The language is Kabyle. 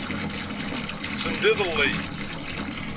Send iḍelli.